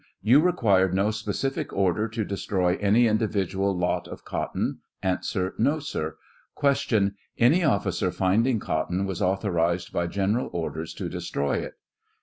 You required no specific order to destroy any in dividual lot of cotton ? A. No, sir. Q. Any officer finding cotton was authorized by gen eral orders to destroy it?